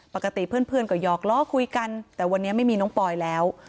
ปกติเพื่อนก็หยอกล้อคุยกันแต่วันนี้ไม่มีน้องปอยแล้ว